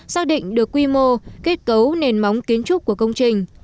xác định được quy mô kết cấu nền móng kiến trúc của công trình